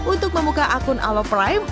untuk membuka akun alloprime